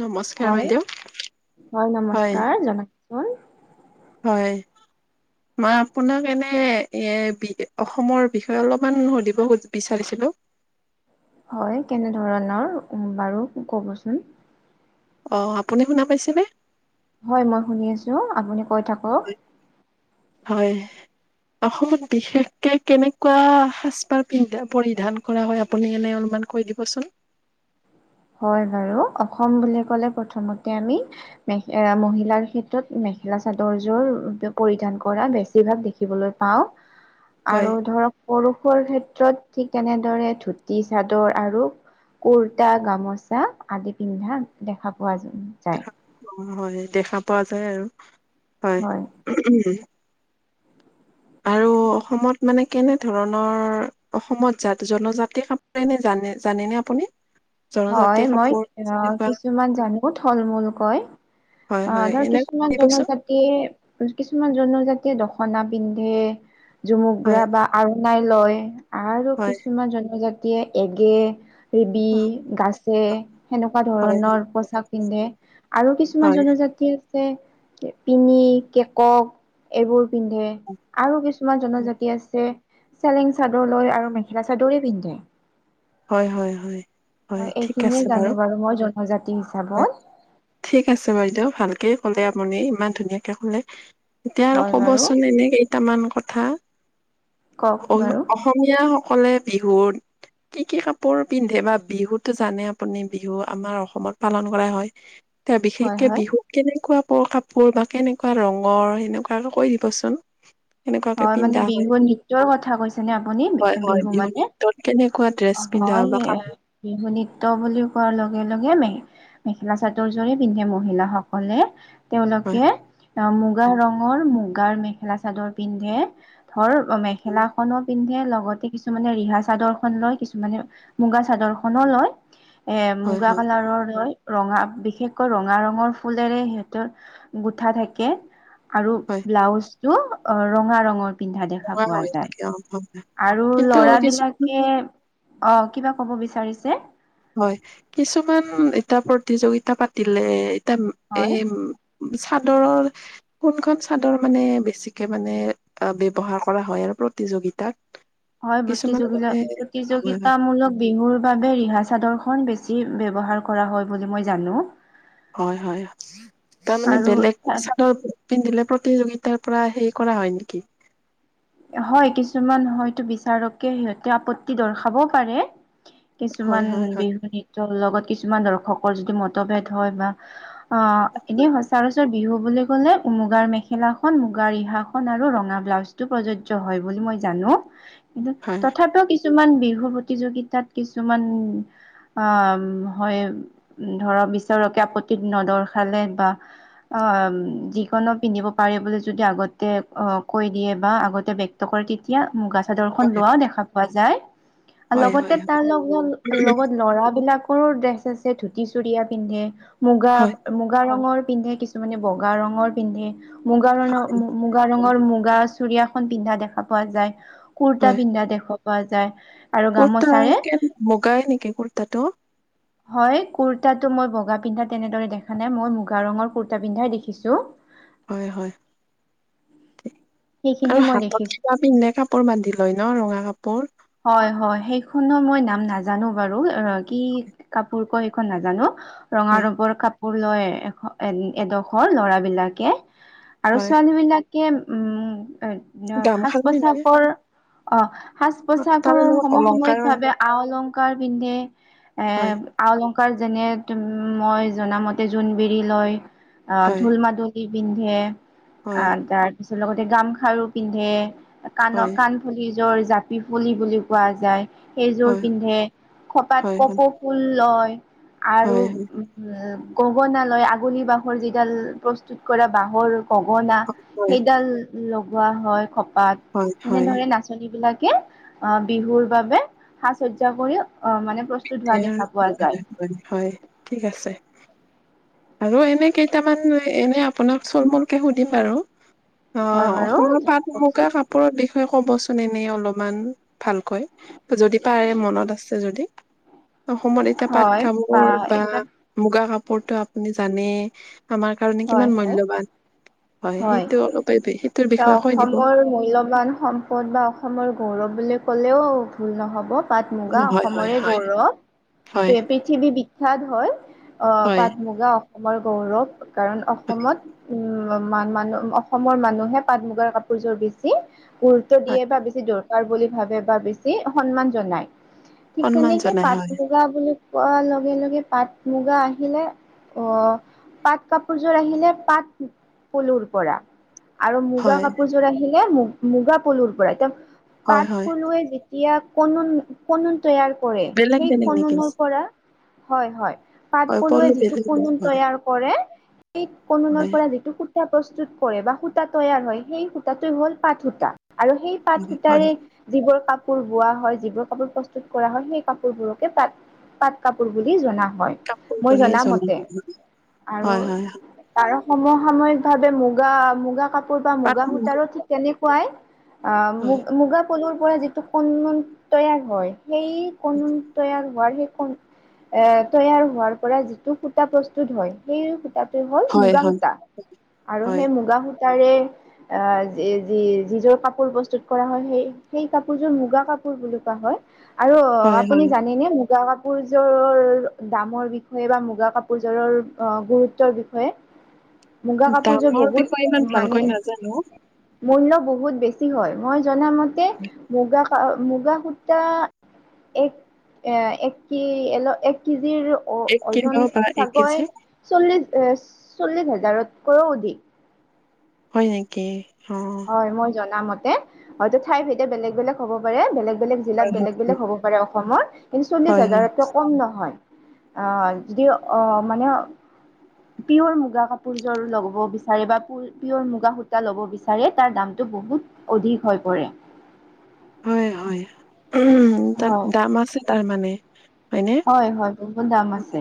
নমস্কাৰ হয়, বাইদেউ হয় নমস্কাৰ জনাওকচোন হয়। [inaudible] মই আপোনাক এনে এ, বি অসমৰ বিষয়ে অলপমান সুধিব বিচাৰিছিলো। [inaudible] হয় কেনে ধৰণৰ বাৰু ক'বচোন। অ', আপুনি শুনা পাইছেনে? হয় মই শুনি আছোঁ আপুনি কৈ থাকক। হয়। অসমত বিশেষকে কেনেকুৱা সাজপাৰ পিন্ধা পৰিধান কৰা হয় আপুনি এনে [unintelligible] [unintelligible] মান কৈ দিবচোন। হয় বাৰু অসম বুলি ক'লে প্ৰথমতে আমি এ, মহিলাৰ ক্ষেত্ৰত মেখেলা চাদৰযোৰ পৰিধান কৰা বেছিভাগ দেখিবলৈ পাওঁ। হয় আৰু ধৰক পৰুষুৰ ক্ষে [unintelligible] ঠিক তেনেদৰে ধুতি চাদৰ আৰু কুৰ্তা গামোচা আদি পিন্ধা দেখা পোৱা যায়। অ হয় দেখা পোৱা যায় আৰু হয়। আৰু অসমত মানে কেনে ধৰণৰ অসমত জাত জনজাতি কাপ জানে জানে নে [unintelligible] আপুনি। জনজাতি হয় মই কাপোৰ আ, তেনেকুৱা কিছুমান জানো থল মূল কয়। হয় অ', হয় ধৰ এনে কৈ কিছুমান দিবচোন জনজাতিয়ে কিছুমান জনজাতিয়ে দশ খনা পিন্ধে হয় জুমুগৰা বা আৰোনাই লয়। আৰু হয় কিছুমান জনজাতিয়ে এগে ৰেবি গাছে সেনেকুৱা হয়, ধৰণৰ পোচাক পিন্ধে আৰু কিছুমান হয়, জনজাতিয়ে। [unintelligible] পিনি কেকক এইবোৰ পিন্ধে আৰু কিছুমান জনজাতি আছে। চেলেং চাদৰ লৈ আৰু মেখেলা চাদৰে পিন্ধে। হয়, হয়- হয়। হয় এইখিনিয়ে জানো বাৰু মই জনজাতি হয়, হিচাপত। ঠিক আছে বাইদেউ ভালকে ক'লে আপুনি ইমান ধুনীয়াকে ক'লে এতিয়া আৰু হয় বাৰু ক'বচোন এনে কেইটামান কথা কওক বাৰু কথা অসমীয়াসকলে বিহুত কি কি কাপোৰ পিন্ধে বা বিহুতো জানে আপুনি বিহু আমাৰ অসমত পালন কৰা হয়। তে হয় বিশেষকে হয় বিহুত কেনেকুৱা কাপোৰ কাপোৰ বা কেনেকুৱা ৰঙৰ সেনেকুৱাকে কৈ দিবচোন। কেনেকুৱাকে হয় মানে পিন্ধা হয়, বিহুৰ নৃত্যয়ৰ কথা কৈছেনে আপুনি হয়, হয়, বিহু মানে। নৃত্যত কেনেকুৱা ড্ৰেছ পিন্ধা বা হয় কাপোৰ বিহু নৃত্য বুলি কোৱাৰ লগে লগে মেখেলা চাদৰ জোৰে পিন্ধে মহিলাসকলে হয়। তেওঁলোকে অ' মুগা ৰঙৰ মুগাৰ মেখেলা চাদৰ। পিন্ধে ধৰ মেখেলা খনো পিন্ধে লগতে কিছুমানে ৰিহা চাদৰ খন লয় কিছুমানে মুগা চাদৰ খনোলয় এ, হয়, মুগা হয়, কালাৰৰ লয়। ৰঙা বিশেষকৈ ৰঙা ৰঙৰ ফুলৰে সিহঁতৰ গোঠা থাকে। আৰু হয়, ব্লাউজটো ৰঙা ৰঙৰ পিন্ধা দেখা হয়, পোৱা যায়। হয়, হয়। আৰু কিন্তু লৰা কিছুমান বিলাকে অ', কিবা কব বিচাৰিছে? হয় কিছুমান এতা প্ৰতিযোগিতা পাতিলে এতা এ হয় চাদৰৰ কোনখন চাদৰ মানে বেছিকে মানে অ ব্যৱহাৰ কৰা হয় আৰু। প্ৰতিযোগিতাত। হয় কিছুমান প্ৰতিযোগিলা মানে হয় প্ৰতিযোগিতামূলক বিহুৰ বাবে ৰিহা-চাদৰখ বেছি ব্যৱহাৰ কৰা হয় বুলি মই জানো। হয় হয় তাৰ মানে আৰু বেলেগ চাদৰ পিন্ধিলে। প্ৰতিযোগিতাৰ পৰা হেই কৰা হয় নিকি? হয় কিছুমান হয়তো বিচাৰকে সিহঁতে আপত্তি দৰ্শাবও পাৰে হয় কিছুমান হয় হয় বিহু-নৃত্য লগত কিছুমান দৰ্শকৰ যদি মতভেদ হয় বা অ এনেই সচ ৰাচ বিহু বুলি ক'লে মুগাৰ মেখেলা খন মুগাৰ ৰিহা খন আৰু ৰঙা ব্লাউজ টো। প্ৰযোজ্য হয় বুলি মই জানো। কিন্তু হয় তথাপিও কিছু কিছুমান বিহু প্ৰতিযোগিতাত কিছুমান। অ', হয়। ধৰ বিচাৰকে আপত্তি নদৰ্শালে বা অ যিকোনো পিন্ধিব পাৰি বুলি যদি আগতে অ কৈ দিয়ে। বা আগতে বক্তকৰ কেতিয়া মুগা চাদৰশন লোৱাও দেখা পোৱা যায়। হয় হয় লগতে তাৰ লগ লগত ল'ৰা বিলাক। সৰু ড্ৰেছ আছে ধুতি চুৰিয়া পিন্ধে মুগা হয় মুগা ৰঙৰ। পিন্ধে কিছুমানে বগা ৰঙৰ পিন্ধে, মুগা ৰৰ মুগা ৰঙৰ মুগা। চুৰিয়াখন পিন্ধা দেখা পোৱা যায় কুুৰ্তা, হয় পিন্ধা দেখা পোৱা যায়। আৰু কুৰ্তা গামোচাৰে কে বগাই নেকি কুৰ্তাটো। হয় কুৰ্তাতটো মই বগা পিন্ধা তেনেদৰে দেখা নাই, মই মুগা ৰঙৰ কুুৰ্তা পিন্ধাই দেখিছো। হয়, হয়। আৰু সেইখিনিয়ে মই হাতত দেখিছো কিবা পিন্ধে কাপোৰ বান্ধি লয় ন ৰঙা কাপোৰ। হয়, হয়, সেইখনো মই নাম নাজানো বাৰু অ কি কাপোৰ ক সেইখন নাজানো। ৰঙা হয় ৰবৰ কাপোৰ লৈ এ এ এডোখৰ ল'ৰা বিলাকে। আৰু হয় ছোৱালী বিলাকে উম এ সাজ গামখাৰু পিন্ধে পোছাকৰ। অ', হা তাৰে উপচাগৰৰ লগত অলংকাৰৰ সমসাময়িকভাৱে আ- অলংকাৰ পিন্ধে এ হয় আ-অলংকাৰ কাৰ যেনে মই জনামতে জোনবিৰি লয় আহ হয় ঢোল মাদুল। পিন্ধে, হয় আৰ তাৰ পিছ লগতে গামখাৰু পিন্ধে। কাণৰ হয় কাণফুলি যোৰ জাপি ফুলি বুলি কোৱা যায়। সেইযোৰ হয় পিন্ধে খপাত হয় কপৌ ফুল লয়। আৰু হয় উম গগনা লয়। আগুলি বাঁহৰ যিডাল প্ৰস্তুত কৰা বাঁহৰ। পগনা হয় সেইডাল লগোৱা হয় খপাত হয় হয় তেনেধৰে নাচনী বিলাক। কি? অ', বিহুৰ বাবে সাজ- সজ্জা কৰি অ', মানে। প্ৰস্তুত পিঠ হোৱা দেখা পোৱা যায় আৰু হয় ঠিক আছে। আৰু এনে কেইটামান এনে আপোনাক চল মূলকে সুধিম বাৰু। হয় অ', বাৰু অসমৰ পাট-মূগা কওকচোন কাপোৰ বিষ কবচোন এনে অলপমান ভালকৈ যদি পাৰে মনত আছে যদি। অসমত এতিয়া পাত হয় কাপোৰ বা এতিয়া মুগা কাপোৰতটো আপুনি জানে। আমাৰ কাৰণে হয় কিমান হয় মূল্যবান। হয় সেইটো অলপ সেইটোৰ এ বিষয়ে কৈ দিব অসমৰ মূল্যবান সম্পদ বা অসমৰ গৌৰৱ বুলি। কলেও ভুল নহ'ব। পাট মুগা হয়, হয়, অসমৰে হয়, হয়, গৌৰৱ পৃথিৱী বি বিখ্যাত হয়। হয়, পাট মুগা অসমৰ গৌৰৱ কাৰণ অসমত। মান মানুহ অসমৰ মানুহে পাট মুগাৰ কাপোৰজোৰ বেছি গুৰুত্ব হয়, দিয়ে বা বেছি দৰ। বুলি ভাবে বা বেছি সন্মান জনাই ঠিক সন্মান তেনেকে জনাই পাত হয়, লগা বুলি। পোৱাৰ লগে লগে পাট মুগা আহিলে, অ পাট কাপ যোৰ আহিলে পাত পলুৰ পৰা আৰু মুগা হয়, কাপোৰযোৰ আহিলে মু মুগা পলুৰ পৰা হয়, পাট হয়, পলুৱে যেতিয়া কনুন কনুন। তৈয়াৰ কৰে বেলেগ সেই বেলেগ নেকি? খননৰ পৰা হয়, হয়। পাট হয়, পলুৱে পলো যিটো বেলেগ বেলেগ কনি হয়, তৈয়াৰ কৰে সেই কনুনৰ হয়, পৰা যিটো সুতা প্ৰস্তুত কৰে বা সূতা তৈয়াৰ হয় সেই সূতাটো হ'ল পাত সূতা। আৰু সেই পাত হয়, হয়, সূতাৰে যিবোৰ কাপোৰ কাপোৰ বোৱা হয় যিবোৰ কাপোৰ প্ৰস্তুত কৰা হয় সেই কাপোৰবোৰকে পাট পাট কাপোৰ বুলি জনা হয়। হয় কাপোৰ মই বুলি জনা জনামতে যায়। আৰু হয়, হয়, হয়, [unintelligible] সমসাময়িক ভাৱে মুগা মুগা কাপোৰ বা মুগা পাতল সূতাৰো ঠিক তেনেকুৱাই। অ' মু হয়, মুগা পলুৰ পৰা যিটো কনন তৈয়াৰ হয় সেই কন তৈয়াৰ সেই এ তৈয়াৰ হোৱাৰ পৰা যিটো সূতা প্ৰস্তুত হয় সেই তাত হ'ল হয়, মুগা হয়, সূতা আৰু হয়, সেই মুগা সূতাৰে আহ য যি যিযোৰ কাপোৰ প্ৰস্তুত কৰা হয় সেই সেই কাপোৰযোৰ মুগা কাপোৰ বুলি কোৱা হয় আৰু অ' হয়, আপুনি হয়। জানেনে মুগা কাপোৰযোৰৰ দামৰ বিষয়ে বা মুগা কাপোৰযোৰৰ গুৰুত্ব বিষয়ে মুগা কাপোৰযোৰ দামৰ বহুত বিষয়ে ইমান মানে ভালকৈ নাজানো, মূল্য বহুত বেছি হয়। মই জন মতে মুগা মুগা সূতা এক এ একল এক এক কিলো বা এক কেজি [unintelligible] এ চল্লিশ হাজাৰতকৈও অধিক হয় নেকি অ', হয় মই জামতে হয়ত ঠাই ভেদে বেলেগ বেলেগ হ'ব পাৰে বেলেগ বেলেগ জিলাত হয়, হয়, বেলেগ বেলেগ হ'ব পাৰে অসমৰ কিন্তু চল্লিশ হয়, হয়, হাজাৰতও কম নহয় অ', হয়, যদি অ' মানে পিয়ৰ মুগা কাপোৰযোৰ ল'ব বিচাৰে বা পিয়ৰ মুগা সূতা ল'ব বিচাৰে নাজানে তাৰ দামটো বহুত অধিক হৈ পৰে হয়, হয় উম তাত হয় দাম আছে তাৰ মানে। হয় হয় বহুত দাম আছে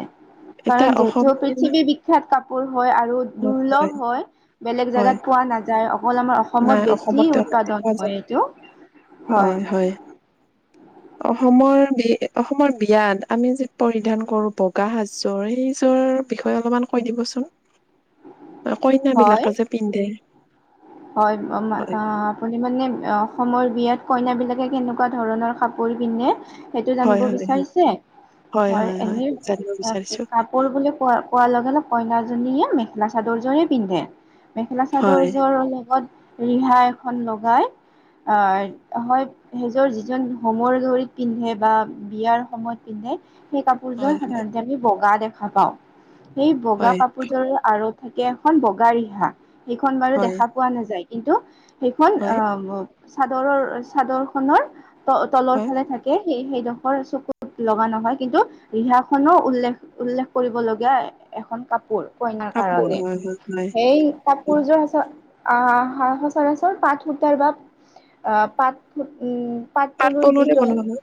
কাৰণ এতিয়া যিহেতু অসমীয়া পৃথিৱী বিখ্যাত কাপোৰ হয় আৰু দুৰ্লভ হয় বেলেগ হয়। জাগাত পোৱা নাযায় মল আমাৰ নাই অসমত বেছি অসমতে উৎপাদন পোৱা যায় হয় এইটো হয় অসমৰ বি অসমৰ বিয়াত আমি যি পৰিধান কৰো বগা সাজ সেই বিষয়ে অলপমান কৈ দিবচোন কইনা হয় বিলাকে যে পিন্ধে হয় হয় আপুনি মানে অসমৰ বিয়াত কইনা বিলাকে কেনেকুৱা ধৰণৰ কাপোৰ পিন্ধে সেইটো হয় জানিব হয় বিচাৰিছে হয় এনেই কাপোৰ বুলি কোৱা কোৱা লগে ন কইনাজনীয়ে মেখেলা চাদৰ জোৰে পিন্ধে মেখেলা চাদৰ হয় জোৰ অলপ লগত ৰিহা এখন লগাই হয় আহ হয় সেইজৰ যিজন হোমৰ গৰিত পিন্ধে বা বিয়াৰ সময়ত পিন্ধে সেই কাপোৰযোৰ হয় সাধাৰণতে আমি বগা দেখা পাওঁ। সেই বগা হয় কাপোৰযোৰ আৰু থাকে এখন বগা ৰিহা সেইখন বাৰু হয় দেখা পোৱা নাযায় কিন্তু সেইখন হয় আহ চাদৰৰ চাদৰ খনৰ ত তলৰ হয়। ফালে থাকে সেইডোখৰ চকুত লগা নহয় কিন্তু ৰিহা খনো উল্লেখ উল্লেখ কৰিব লগীয়া এখন কাপোৰ কইনাৰ কাপোৰ কাৰণে হয় হয় হয় সেই কাপোৰযোৰ আছে আহ সচৰাচৰ পাত সূতাৰ বা আহ পাত উম পাত পাট পুলুৰ পলুৰে যিটো বনোৱা হয়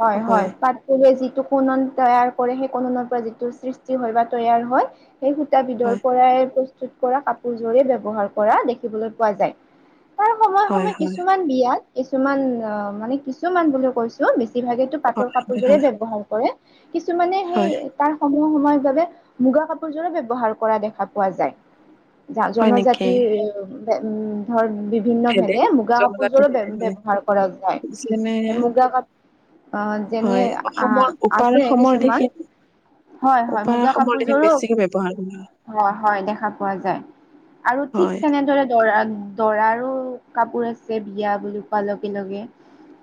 হয় হয় পাট পুলুৱে যিটো টো কনন তৈয়াৰ কৰে সেই কননৰ পৰা যিটো সৃষ্টি হয় বা তৈয়াৰ হয় সেই সূতাবিধৰ হয় পৰাই প্ৰস্তুত কৰা কাপোৰযোৰে ব্যৱহাৰ কৰা দেখিবলৈ পোৱা যায় তাৰ সময়ে হয় সময়ে হয় কিছুমান বিয়াত কিছুমান অ' মানে কিছুমান বুলি কৈছো বেছি ইভাগেটো পাটৰ হয় হয় কাপোৰজোৰে হয় ব্যৱহাৰ কৰে কিছুমানে হেই হয় তাৰ সলনি সময় বাবে মুগা কাপোৰযোৰো ব্যৱহাৰ কৰা দেখা পোৱা যায় হয় নেকি জনজাতি উম ধৰ বিভিন্ন ভেদে মুগা জনজাতি কাপোৰযোৰো ব ভেদে হয় ব্যৱহাৰ কৰা যায়। যেনে সেই মুগা কাপ অহ যেনে হয় আহ অসমৰ উপাৰ আছে অসমৰ কিছুমান দিশে হয় হয় উপাৰ মুগা অসমৰ দিশে কাপোৰযোৰো বেছিকে ব্যৱহাৰ কৰা হয় হয় দেখা পোৱা যায়। আৰু ঠিক হয়। তেনে দৰে দৰাক দৰাৰো কাপোৰ আছে বিয়া বুলি কোৱাৰ লগে লগে।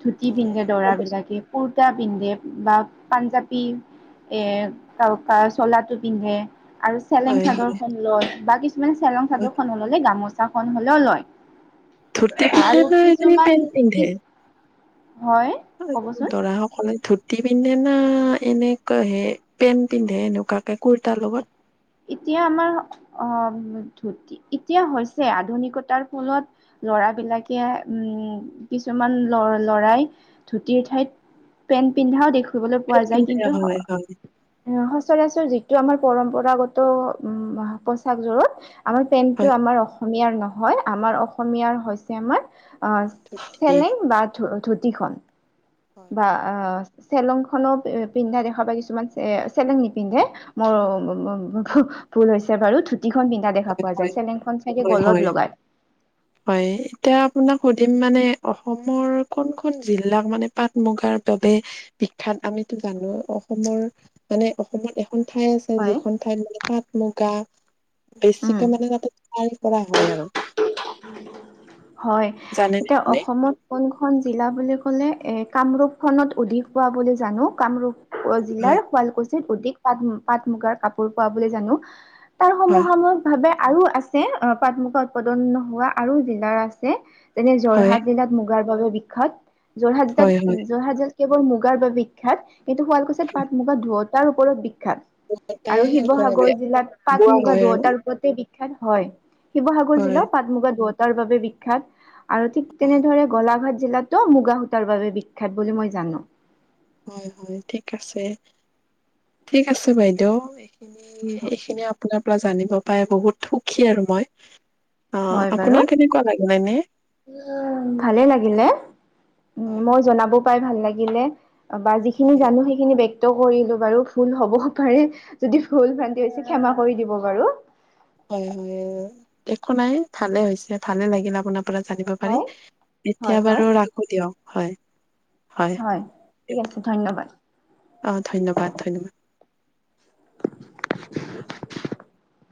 ধুতি হয়। পিন্ধে দৰা হয় বিলাকে কুৰ তা পিন্ধে বা পাঞ্জাবী এ [unintelligible] চোলাটো পিন্ধে। আৰু চেলেং হয় চাদৰ খন লয় বা কিছুমান চেলেং হয়। চাদৰ খন গামোচাখন হলেও লয় ধুতি পিন্ধে আৰু না এনে কিছুমান পেন্ট পিন্ধে? কিছ দৰা সকলে ধুতি পিন্ধে না এনেকুৱা হে পেণ্ট পিন্ধে এনেকুৱাকে কুৰ্তাৰ লগত। এতিয়া আমাৰ আহ ধুতি এতিয়া হৈছে আধুনিকতাৰ ফলত ল'ৰাবিলাকে উম কিছুমান ল ল'ৰাই ধুতিৰ ঠাইত পেণ্ট পিন্ধাও দেখো। দেখিবলৈ পোৱা পেন্ট যায় পিন্ধে কিন্তু হয় হয় হয়। সচৰাচৰ যিটো আমাৰ পৰম্পৰাগত উম পচাক যোৰ আৰু পেন্টটো হয় আমাৰ অসম অসমীয়াৰ নহয় আমাৰ অসমীয়াৰ হৈছে আমাৰ অহ হয়। চেলেং বা ধ ধু তি খন বা আহ চেলং খনো পিন্ধা দেখা পাই কিছুমান চে চেলেং নিপিন্ধে মোৰ ভুল হৈছে বাৰু। ধুতিখন পিন্ধা দেখা হয় পোৱা যায় হয় চেলেংখন চাগে হয় গলত হয় লগাই হয় এতিয়া আপোনাক ধিম মানে অসমৰ কোনখন জিলাক মানে পাট মুগাৰ বাবে বিখ্যাত আমিতো জানো অসমৰ মানে অসমত এখন ঠাই আছে হয় যিখন ঠাইত মানে পাট মুগা উম বেছিকে মানে তাতে [unintelligible] কৰা হয় আৰু। হয় জানেনে এতিয়া আপুনি অসমত কোন খন জিলা বুলি ক'লে এ কামৰূপ খনত অধিক হোৱা বুলি জানো কামৰূপ জিলাৰ হয় শুৱালকুছিত অধিক পাট পাট মুগাৰ কাপোৰ পোৱা বুলি জানো। তাৰ হয় সমসাময়িক ভাৱে আৰু আছে পাট মুগা উৎপাদন হোৱা আৰু জিলাৰ আছে যেনে হয় যোৰহাট জিলাত মুগাৰ বাবে বিখ্যাত। যোৰহাট জিতাত হয় হয় যোৰহাট জিলাত কেৱল মুগাৰ বাবে বিখ্যাত কিন্তু শুৱালকুচিত পাত মুগা ধুৱ তাৰ ওপৰত বিখ্যাত তাই আৰু কৰে বে শিৱসাগৰ জিলাত পাট বোৱা মুগা হয় আৰু ধুৱতাৰ ওপৰতে বি বিখ্যাত হয় শিৱসাগৰ হয় জিলাও পাট মুগা দুৱটাৰ বাবে বিখ্যাত। আৰু ঠিক হয় তেনেদৰে গোলাঘাট জিলাতো মুগা সূতাৰ বাবে বিখ্যাত বুলি মই জানো। হয় হয় ঠিক আছে ঠিক আছে বাইদেউ। এইখিনি আপোনাৰ পৰা জানিব পাই বহুত সুখী আৰু মই। অহ আপোনাৰ কেনেকুৱা লাগে নাই? উম ভালে লাগিলে উম হয় মই জনাব পাই ভাল লাগিলে বা যিখিনি হয় জানো সেইখিনি কৰিলো বাৰু ভুল হ'বও পাৰে যদি ভুল ভ্ৰান্তি হৈছে ক্ষমা কৰি দিব বাৰু। হয় হয় একো নাই ভালে হৈছে ভালে লাগিল আপোনাক পৰা জানিব পাৰি হয়, হয়, এতিয়া বাৰু হয়, ৰাখো দিয়ক হয়। হয় ঠিক আছে ধন্যবাদ। আহ ধন্যবাদ ধন্যবাদ। [inaudible]